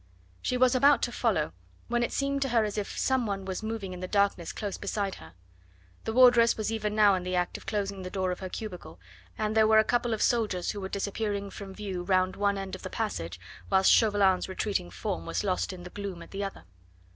She was about to follow, when it seemed to her as if some one was moving in the darkness close beside her. The wardress was even now in the act of closing the door of her cubicle, and there were a couple of soldiers who were disappearing from view round one end of the passage, whilst Chauvelin's retreating form was lost in the gloom at the other.